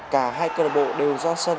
cả hai cơ độ đều do sân